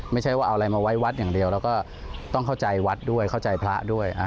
ไม่ใช่ว่าเอาอะไรมาไว้วัดอย่างเดียวแล้วก็ต้องเข้าใจวัดด้วยเข้าใจพระด้วย